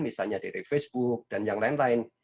misalnya dari facebook dan yang lain lain